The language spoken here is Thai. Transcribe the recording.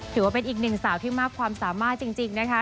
ถือว่าเป็นอีกหนึ่งสาวที่มากความสามารถจริงนะคะ